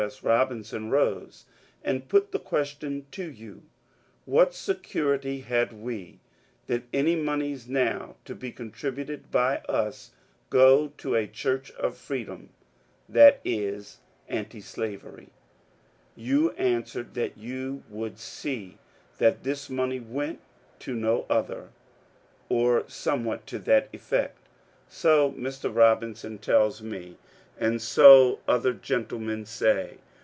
S. Robinson, rose and put the question to you, what security had we that any moneys now to be contributed by us would go to a " Church of Free dom " (in the sense in which the term was used that night, that is, Antislavery) ? You answered that you would see that this money went to no other ; or somewhat to that effect So Mr. Robinson tells me, and so other gentlemen say.